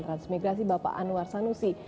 transmigrasi bapak anwar sanusi